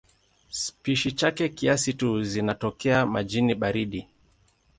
Spishi chache kiasi tu zinatokea majini baridi.